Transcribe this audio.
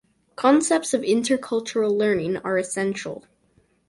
Concepts of intercultural learning are essential.